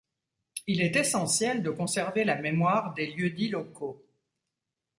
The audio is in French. Il est essentiel de conserver la mémoire des lieux-dits locaux.